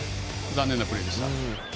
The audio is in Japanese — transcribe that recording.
残念なプレーでした。